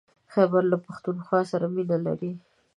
خيبر له پښتونخوا سره مينه لري.